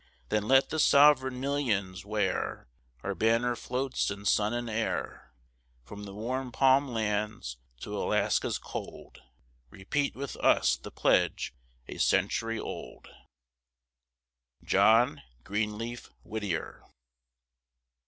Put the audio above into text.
Then let the sovereign millions, where Our banner floats in sun and air, From the warm palm lands to Alaska's cold, Repeat with us the pledge a century old! JOHN GREENLEAF WHITTIER.